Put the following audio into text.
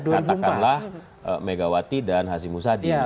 katakanlah megawati dan hasim musadi misalnya